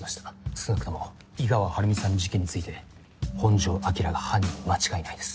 少なくとも井川晴美さんの事件について本城彰が犯人で間違いないです。